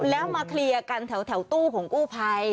แล้วมาเคลียร์กันแถวตู้ของกู้ภัย